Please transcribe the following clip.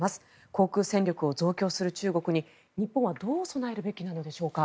航空戦力を増強する中国に日本はどう備えるべきなのでしょうか？